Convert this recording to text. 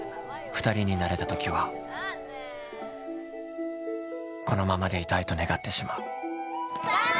二人になれた時はこのままでいたいと願ってしまう頑張れ！